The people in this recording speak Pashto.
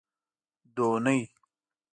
دونۍ